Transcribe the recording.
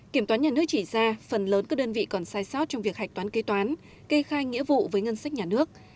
kiểm toán nhà nước chỉ ra phần lớn các đơn vị còn sai sót trong việc hạch toán kế toán kê khai nghĩa vụ với ngân sách nhà nước